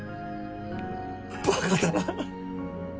バカだな。